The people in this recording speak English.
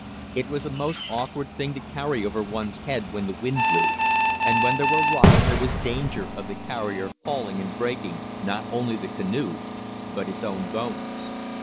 It was a most awkward thing to carry over one's head when the wind blew, and where there were rocks there was danger of the carrier falling and breaking, not only the canoe, but his own bones.